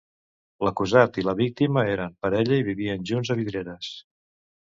L'acusat i la víctima eren parella i vivien junts a Vidreres.